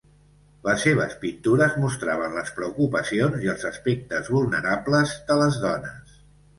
Les seves pintures mostraven les preocupacions i els aspectes vulnerables de les dones.